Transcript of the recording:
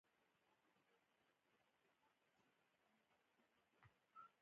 هیلې مې د ژوند په تورو شپو کې ښخې دي.